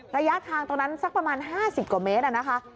ระยะทางตรงนั้นสักประมาณ๕๐กว่าเมตรนะคะ